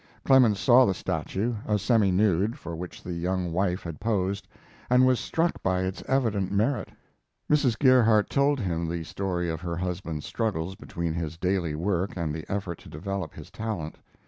Clemens saw the statue, a seminude, for which the young wife had posed, and was struck by its evident merit. Mrs. Gerhardt told him the story of her husband's struggles between his daily work and the effort to develop his talent.